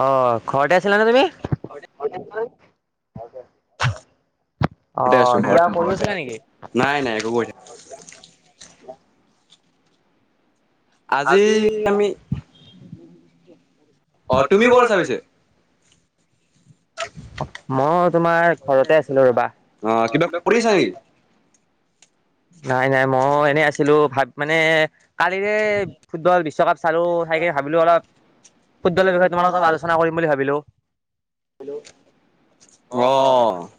অ', ঘৰতে আছিলা নে তুমি? ঘৰতে। অ', কিবা কৰি আছিলা নেকি? [unintelligible] আজি আমি অ', তুমি ক'ত আছা পিছে? [inaudible] মই তোমাৰ ঘৰতে আছিলো ৰ'বা, অ', কিবা কৰি আছা নেকি? নাই নাই মই এনেই আছিলো ভাত মানে কালিৰে ফুটবল বিশ্বকাপ চালো, চাইকে ভাবিলো অলপ ফুটবলৰ বিষয়ে তোমাৰ লগত অলপ আলোচনা কৰিম বুলি ভাবিলো। অ'।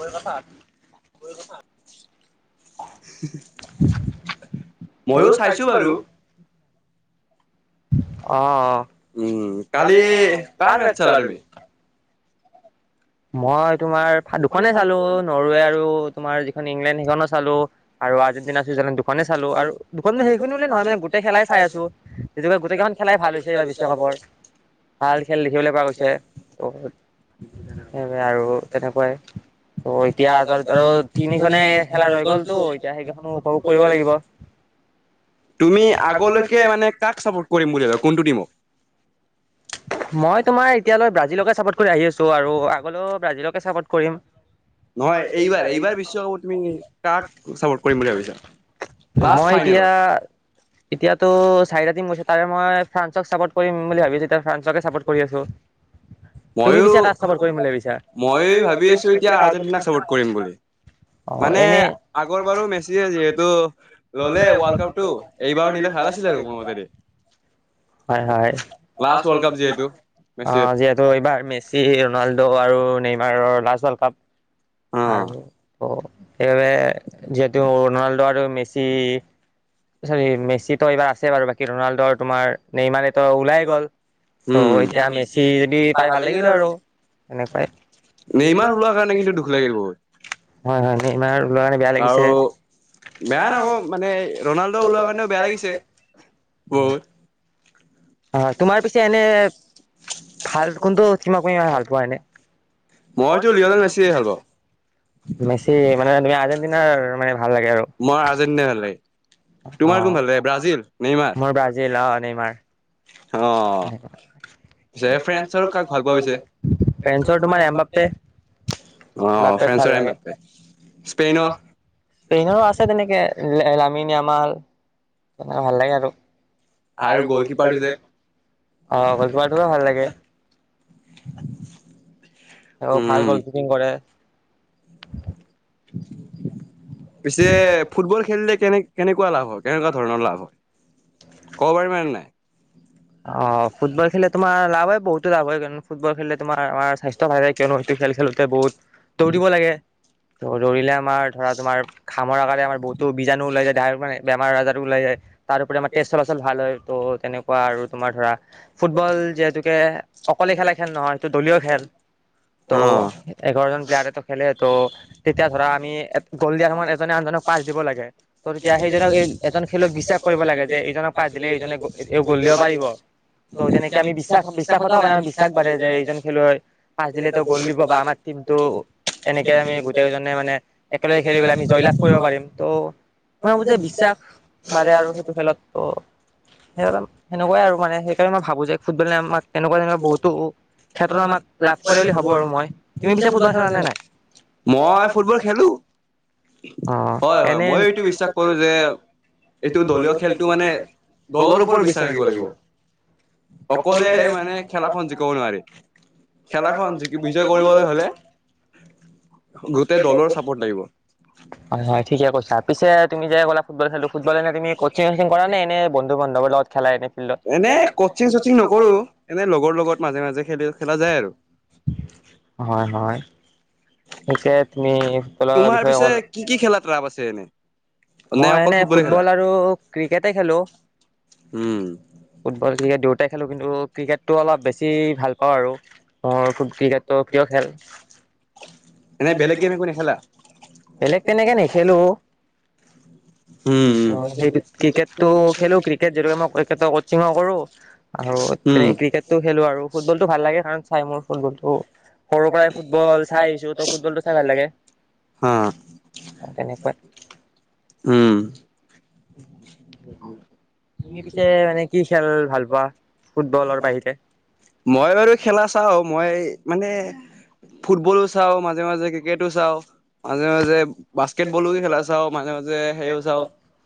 হৈ কথা। [unintelligible] ময়ো চাইছো বাৰু। উম, কালি কাৰ মেচ চালা তুমি? মই তোমাৰ দুখনে চালো, নৰৱে আৰু তোমাৰ যিখন ইংলেণ্ড সেইখনো চালো। আৰু আৰ্জেণ্টিনা চুইজাৰলেণ্ড দুখনে চালো, আৰু দুখনে সেইখন বুলি নহয় মান গোটৈই খেলাই চাই আছো। [unintelligible] গোটেইখন খেলাই ভাল হৈছে এইবাৰ বিশ্বকাপৰ। ভাল খেল দেখিবলৈ পোৱা গৈছে ত' আৰু তেনেকুৱাই ত' এতিয়া [unintelligible] আৰু তিনিখনেই খেলা হৈ গ'ল টো। এতিয়া সেইকেইখনো উপভোগ কৰিব লাগিব। তুমি আগলৈকে মানে কাক চাপোৰ্ট কৰিম বুলি ভাবা, কোনটো টিমক? মই তোমাৰ এতিয়ালৈ ব্ৰাজিলকে চাপোৰ্ট কৰি আহি আছো আৰু আগলৈও ব্ৰাজিলকে চাপৰ্ট কৰিম। নহয়, এইবাৰ এইবাৰ বিশ্বকাপত তুমি কাক চাপৰ্ট কৰিম বুলি ভাবিছা? মই এতিয়া এতিয়াতো চাৰিটা টিম তাৰে মই ফ্ৰান্সক চাপৰ্ট কৰিম বুলি ভাবিছো, এতিয়া ফ্ৰান্সকে চাপৰ্ট কৰি আছো। [inaudible] তুমি পিছে কাক চাপৰ্ট কৰিম বুলি ভাবিছা? মই ভাবি আছো এতিয়া আৰ্জেণ্টিনাক চাপৰ্ট কৰিম। অ', এনেই আগৰ বাৰু ল'লে [unintelligible] [unintelligible] হয়, হয়। [unintelligible] ত' এইবাৰ মেচি ৰনাল্ডো আৰু নেইমাৰৰ লাষ্ট ওৱৰ্ল্ড কাপ। আৰু ত' সেইবাবে যিহেতু ৰনাল্ডো আৰু মেচি মেচিটো এইবাৰ আছে বাৰু। বাকী ৰনাল্ডৰ, তোমাৰ নেইমাৰেটো ওলাই গ'ল। ত' এতিয়া মেচি যদি পাই ভাল লাগিল হয় আৰু। এনেকুৱাই [unintelligible] হয়, হয়, নেইমাৰ ওলোৱা কাৰণে বেয়া লাগিছে। বেয়া নকওঁ মানে, ৰনাল্ডো ওলোৱা কাৰণেও বেয়া লাগিছে বহুত। অ', তোমাৰ এনে মানে ভাল খেলা খিনীকে ভাল পাওঁ। মইটো লিওনেল মেছি ভাল পাওঁ। মেছি মানে, তুমি আৰ্জেণ্টিনাৰ মানে ভাল লাগে আৰু? মই আৰ্জেণ্টিনা ভাল লাগে। তোমাৰ কোনটো ভাল লাগে, ব্ৰাজিল, নেইমাৰ? মোৰ ব্ৰাজিল অ', নেইমাৰ। অঁ। ফ্ৰান্সৰ কাক ভাল পোৱা? ফ্ৰান্সৰ তোমাৰ এমম্বাপে। অ', ফ্ৰান্সৰ এমম্বাপে, স্পেইনৰ? স্পেইনৰ আছে। তেনেকে লামি য়ামাল, তেনেকে ভাল লাগে আৰু। আৰু গলকিপাৰটো যে। অ, ' গলকিপাৰটো ভাল লাগে। তেওঁ ভাল গলকিপিং কৰে। পিছে ফুটবল খেলিলে কেনে, কেনেকুৱা লাভ হয়, কেনেকুৱা ধৰণৰ লাভ হয়? ক'ব পাৰি বা নে মানে নাই? অ, ফুটবল খেলিলে তোমাৰ, লাভ হয় বহুতো লাভ হয়। কাৰণ ফুটবল খেললে তোমাৰ, আমাৰ স্বাস্থ্য কিয়নো সেইটো খেল খেলোতে বহুত দৌৰিব লাগে। ত' দৌৰিলে আমাৰ ধৰা, তোমাৰ ঘামৰ কাৰণে আমাৰ বহুটো বীজাণু ওলাই যায়। গাটো মানে বেমাৰ আজাৰো ওলাই যায়। তাৰোপৰি আমাৰ টেষ্ট চলাচল ভাল হয়। তু তেনেকুৱা আৰু। তোমাৰ ধৰা, ফুটবল যিহেতুকে অকলে খেলা খেল নহয়, সেইটো দলীয় খেল। ত',। এঘাৰজন প্লেয়াৰটো খেলে। ত' তেতিয়া ধৰা, আমি গ'ল দিয়াৰ সময়ত এজনে আনজনক পাছ দিব লাগে। ত, ' তেতিয়া সেইজনক এই এজন খেলোৱাই ক বিশ্বাস কৰিব লাগে যে, এইজনক পাছ দিলে এইজনে গল দিয়ক। বাঢ়িব। ত' তেনেকে আমি বিশ্বাস- বিশ্বাস কথাটো পাৰে। আমাৰ বিশ্বাস বাঢ়ে, যে এইজন খেলুৱৈ পাচ দিলে তেওঁ গ'ল দিব, বা আমাক। ত', টীমটো এনেকে আমি গোটেইজনে মানে, একেলগে খেলি পেলাই, আমি জয়লাভ কৰিব পাৰিম। ত', মই ভাবো যে, বিশ্বাস বাঢ়ে আৰু সেইটো খেলত। ত' সেই তেকুৱাই মানে, সেইকাৰণে মই ভাবো যে, ফুটবলে আমাক তেকুৱা- তেনেকুৱা বহুতো অ। তেনে ক্ষেত্ৰত আমাক লাভ কৰে বুলি ভাবো আৰু মই। তুমি পিছে ফুটবল খেলা নে নাই? অ, এনেটো বিশ্বাস কৰো যে। এইটো দলীয় খেলটো মানে দলৰ ওপৰত বিশ্বাস ৰাখিব লাগিব। অকলে মানে খেলাখন জিকাব নোৱাৰি। খেলাখন জিকি বিজয় কৰিবলৈ। হ'লে গোটেই দলৰ চাপৰ্ট লাগিব। [inaudible] হয়, ঠিকে কৈছ পিছে, তুমি যে কলা ফুটবল খেলো বুলি, ফুটবল এনে তুমি কচিং চচিং কৰা নে? এনে বন্ধু বান্ধৱ লগত। এনে কচিং চচিং নকৰো। এনে লগৰ লগত মাজে- মাজে খেলি খেলা যায় আৰু। হয় হয়। পিছে যে তুমি ফুটবলৰ বিষয়ে, কলা কি কি খেলা ৰাপ আছে এনে? মই এনে ফুটবল আৰু ক্ৰিকেটে খেলো। ফুটবল, ক্ৰিকেট দুইটাই খেলো কিন্তু। ক্ৰিকেটটো অলপ বেছি ভাল পাওঁ আৰু। অ, ক্ৰিকেটটো প্ৰিয় খেল। এনেই বেলেগ গেম একো নেখেলা? বেলেগ তেনেকে নেখেলো অ। উম হয় ক্ৰিকেটটো খেলো। ক্ৰিকেট যেনিবা মই ক্ৰিকেটৰ কচিঙো কৰো। আৰু তেনে ক্ৰিকেটটো খেলো আৰু। ফুটবলটো ভাল লাগে। কাৰণ চাই মোৰ ফুটবলটো। সৰুৰ পৰাই ফুটবল চাই আহিছো তক। ফুটবলটো চাই ভাল লাগে। অ তেনেকুৱাই [inaudible] তুমি পিছে মানে কি খেল ভাল পোৱা ফুটবলৰ বাহিৰে? মই বাৰু খেলা চাওঁ মই মানে। ফুটবলো চাওঁ মাজে মাজে ক্ৰিকেটো চাওঁ। মাজে মাজে বাস্কেটবলো খেলা চাওঁ মাজে মাজে সেইও চাও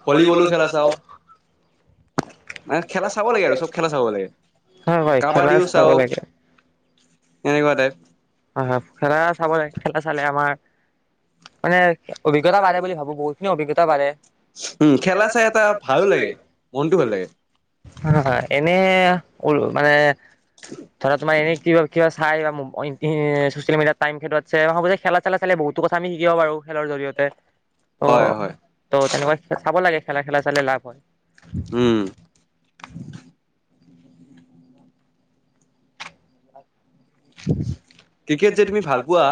ভলীবলো খেলা চাওঁ। [unintelligible] হয় হয় খেলা চাব লাগে। হয় হয় খেলা চাব লাগে খেলা চালে আমাৰ উম খেলা চাই এটা ভালো লাগে। মনটো ভাল লাগে। হয় হয় এনে উম মানে ধৰা তোমাৰ এনেই কিবা কিবা চাই ছ'চিয়েল মিডিয়াত টাইম খেদোৱাত চে হ'ব দে খেলা চেলা চালে আমি বহুতো কথা শিকিব পাৰু খেলৰ জৰিয়তে অ ত' তেনেকুৱা চাব লাগে খেলা খেলা চালে লাভ হয়। [inaudible] ক্ৰিকেট যে তুমি ভাল পোৱা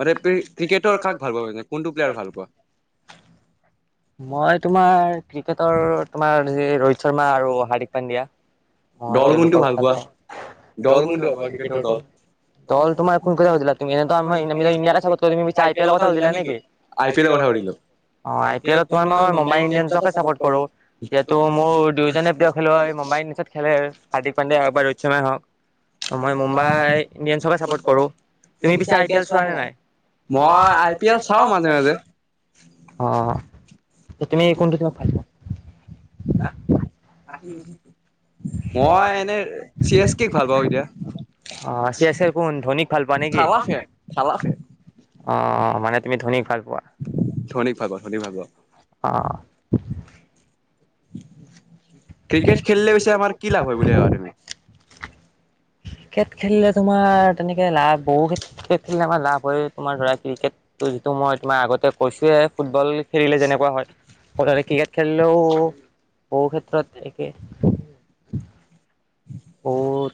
মানে ক্ৰিকেটৰ কাক ভাল পোৱা কোনটো প্লেয়াৰ ভাল পোৱা? মই তোমাৰ ক্ৰিকেটৰ তোমাৰ হে ৰোহিত শৰ্মা আৰু হাৰ্দিক পাণ্ডিয়া। [unintelligible] দল তোমাৰ কোন কেইটা হৈছিলে এনে ত আমাৰ ইণ্ডিয়া কেইটা ইণ্ডিয়াকে চাপৰ্ট কৰিবি পিছে আই পি এলৰ কথা সুধিলা নিকি? আই পি এল ৰ কথা সুধিলোঁ। অ আই পি এল তোমাৰ মই মুম্বাই ইণ্ডিয়ানছকে চাপোৰ্ট কৰো যিহেতু মোৰ দুয়োজনে প্ৰিয় খেলুৱৈ মুম্বাই ইণ্ডিয়ানছত খেলে। হাৰ্দিক পাণ্ডিয়াই হওক বা ৰোহিত শৰ্মাই হওক মই মুম্বাই ইণ্ডিয়ানচকে চাপৰ্ট কৰো। তুমি পিছে আই পি এল চোৱা নে নাই? মই আই পি এল চাও মানে মাজে অ। তুমি কোনটো টিমক ভাল পোৱা? [inaudible] মই এনে চি এছ কেক ভাল পাওঁ এতিয়া। অ চি এচ কেৰ কোন ধনীক ভাল পোৱা নেকি? অ মানে তুমি ধনীক ভাল পোৱা? ধনীক ভাল‌ পাওঁ ধনীক ভাল পাওঁ। অ ক্ৰিকেট খেলিলে পিছে আমাৰ কি লাভ হয় বুলি ভাবা তুমি? ক্ৰিকেট খেলিলে তোমাৰ তেনেকে লাভ বহু ক্ৰিকেট খেলিলে আমাৰ লাভ হয় তোমাৰ ধৰা ক্ৰিকেট ত যিটো মই তোমাৰ আগতে কৈছোয়ে ফুটবল খেলিলে যেনেকুৱা হয় মুথতে ক্ৰিকেট খেলিলেও বহু ক্ষেত্ৰত একে।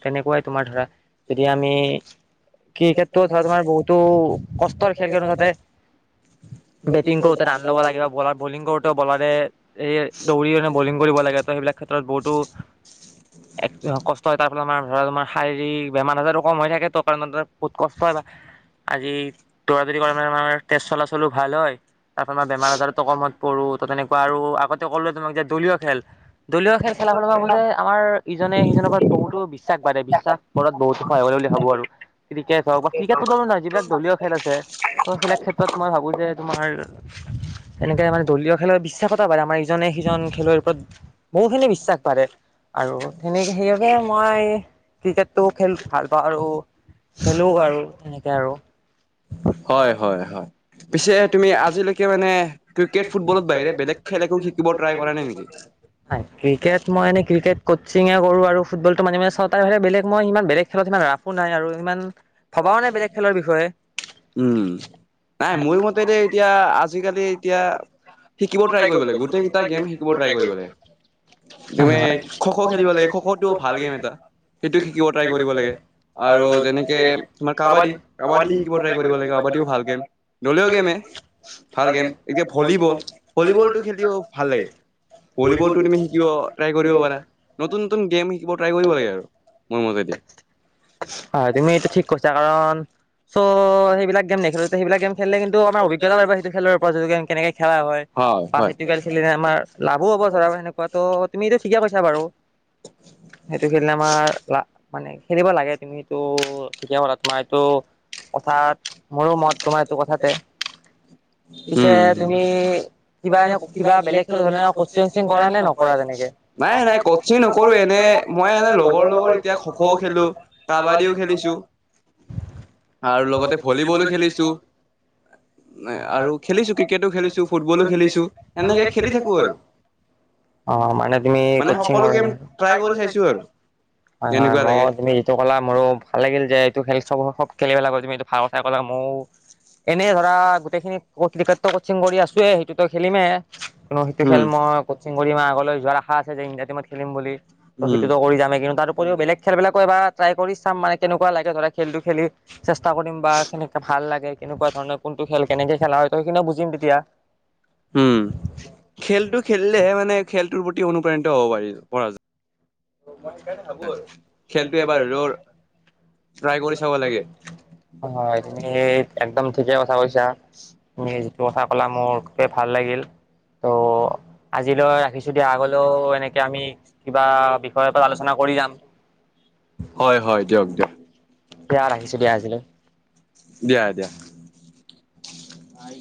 তেনেকুৱাই তোমাৰ ধৰা যদি আমি ক্ৰিকেটটো ধৰ তোমাৰ বহুতো কষ্টৰ খেল খো তাতে বেটিং কৰোতে ৰান ল'ব লাগিব বা বলাৰ বলিং কৰোতে বলাৰে এই দৌৰি বলিং কৰিব লাগে ত সেইবিলাক ক্ষেত্ৰত বহুতো কষ্ট হয় তাৰ ফলত আমাৰ ধৰা তোমাৰ শাৰীৰিক বেমাৰ আজাৰো কম হৈ থাকে ত কাৰণে বহুত কষ্ট হয় বা আজি দৌৰা দৌৰি কৰা মানে আমাৰ তেজ চলা চলো ভাল হয়। তাৰপিছত আমাৰ বেমাৰ আজাৰতো কমত পৰো ত তেনেকুৱা আৰু আগতে ক'লো তোমাক যে দলীয় খেল দলীয় খেল খেলাল যে আমাৰ ইজনে সিজনৰ পৰা বহুতো বিশ্বাস বাঢ়ে বিশ্বাসত কৰাত সহায় কৰে বুলি ভাবো আৰু। ক্ৰিকেট হওক বা ক্ৰিকেটটো তাৰে হয় যিবিলাক দলীয় খেল আছে' সেইবিলাক ক্ষেত্ৰত মই ভাবো যে তোমাৰ আমাৰ এনেকৈ মানে দলীয় খেলৰ বিশ্বাসতা বাঢ়ে আমাৰ ইজনে সিজন খেলুৱৈৰ ওপৰত। বহুখিনি বিশ্বাস বাঢ়ে। তেনেকে সেইবাবে মই ক্ৰিকেটটো খেল ভাল পাওঁ আৰু। খেলো আৰু তেনেকে আৰু। হয়, হয়, হয়, পিছে তুমি আজিলৈকে মানে ক্ৰিকেট, ফুটবলৰ বাহিৰে বেলেগ খেল একো শিকিব ট্ৰাই কৰা নাই নেকি? ক্ৰিকেট মই এনে, ক্ৰিকেট কচিঙে কৰো আৰু ফুটবলটো মাজে মাজে চাওঁ তাৰ বাহিৰে বেলেগ মই ইমান বেলেগ খেলত ইমান ৰাফো নাই আৰু ইমান ভবাও নাই বেলেগ খেলৰ বিষয়ে। উম, নাই মোৰ মতে দে এতিয়া আজিকালি এতিয়া শিকিব ট্ৰাই কৰিব লাগে, গোটেইগিতা গেম শিকিব ট্ৰাই কৰিব লাগে। তুমি খ' খ' খেলিব লাগে, খ' খ' টো ভাল গেম এটা, সেইটো শিকিব ট্ৰাই কৰিব লাগে। আৰু যেনেকে তোমাৰ কাবাডী, কাবাডী শিকিব ট্ৰাই কৰিব লাগে, কাবাডীও ভাল গেম। দলেয় গেম এ ভাল গেম, এতিয়া ভলীবল, ভলীবলটো খেলিব ভাল লাগে। ভলীবলটো তুমি শিকিব ট্ৰাই কৰিব পাৰা, নতুন নতুন গেম শিকিব ট্ৰাই কৰিব লাগে আৰু। মোৰ মতে দি। হয়' তুমি এইটো ঠিক কৈছা কাৰণ চ' সেইবিলাক গেম নেখেলোতে সেইবিলাক গেম খেলিলে কিন্তু আমাৰ অভিজ্ঞতা বাঢ়িব, সেইটো খেলৰ পৰা যিটো গেম কেনেকে খেলা হয়, বা সেইটো গেম খেলিলে আমাৰ লাভো হব ধৰা সেনেকুৱা, ত তুমি এইটো ঠিকেই কৈছা বাৰু সেইটো খেলিলে আমাৰ মানে, খেলিব লাগে তুমি ত। তোমাৰ এইটো কথাত মইও মত তোমাৰ এইটো কথাতে। উম। তুমি সেইকাৰণে কিবা বেলেগ খেলৰ কচিং চচিং কৰা নে নকৰা? নাই নাই কচিং নকৰো, এনে মই এনে লগৰ লগৰ এতিয়া খ' খও খেলো, কাবাদিও খেলিছো। আৰু লগতে ভলীবলো খেলিছো, আৰু ক্ৰিকেট খেলিছোঁ, ফুটবলো খেলিছো, সেনেকে খেলি থাকো আৰু। অ' মানে তুমি কচিং হয়, হয়, মইও তুমি। কলা মইও ভাল লাগিল যে এইটো খেল চবৰ খেলিব লাগিব, তুমি এইটো ভাল কথা ক'লা, মও এনেই ধৰা গোটেইখিনি ক্ৰিকেটো কোচিং কৰি আছোৱেই, সেইটো ত খেলিমে। কিন্তু সেইটো খেল মই কচিং কৰিম, আগলৈ যোৱাৰ আশা আছে যে, ইণ্ডিয়া টিমত খেলিম বুলি। অ 'সেইটোত কৰি যামেই, কিন্তু তাৰো উপৰিও বেলেগ খেলবিলাকো এবাৰ ট্ৰাই কৰি চাম মানে। তেনেকুৱা লাগে ধৰা খেলটো খেলি। চেষ্টা কৰিম বা কেনেকে ভাল লাগে, কেনেকুৱা ধৰণৰ কোনটো খেল কেনেকে খেলা হয়, ত সেইখিনিয়ও বুজিম তেতিয়া। উম' খেলটো খেলিলে মানে খেলটোৰ প্ৰতি অনুপ্ৰাণিত হব পাৰি, পৰা [unintelligible] হয়, তুমি একদম ঠিকে কথা কৈছা, তুমি যিটো কথা কলা, মোৰ খুবেই ভাল লাগিল। ত', আজিলৈ ৰাখিছো দিয়া, আগলেও এনেকে আমি কিবা আলোচনা কৰি যাম। হয়, হয়, দিয়ক, দিয়ক, দিয়া ৰাখিছো দিয়া আজিলৈ।